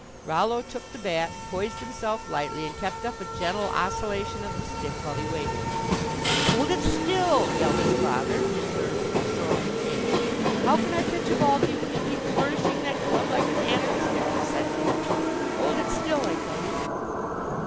Rollo took the bat, poised himself lightly, and kept up a gentle oscillation of the stick while he waited. "Hold it still!" yelled his father, whose nerves were sorely shaken. "How can I pitch a ball to you when you keep flourishing that club like an anarchist in procession. Hold it still, I tell you!"